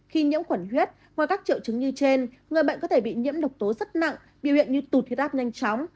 khi nhiễm khuẩn huyết ngoài các triệu chứng như trên người bệnh có thể bị nhiễm độc tố rất nặng biểu hiện như tụt huyết áp nhanh chóng